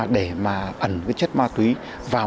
để mà ẩn chất ma túy vào